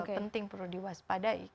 nah itu yang penting perlu diwaspadai